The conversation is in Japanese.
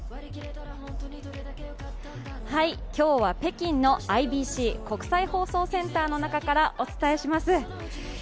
今日は北京のＩＢＣ＝国際放送センターの中からお伝えします。